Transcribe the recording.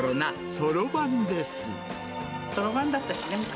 そろばんだったしね、昔。